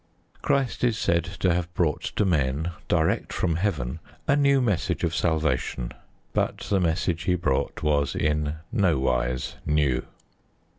Christ is said to have brought to men, direct from Heaven, a new message of salvation. But the message He brought was in nowise new.